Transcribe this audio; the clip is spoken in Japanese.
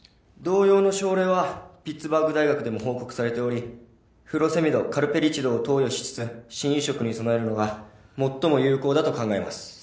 同様の症例はピッツバーグ大学でも報告されておりフロセミド・カルペリチドを投与しつつ心移植に備えるのが最も有効だと考えます。